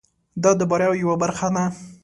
دا د بریاوو یوه برخه ده.